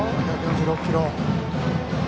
１４６キロ。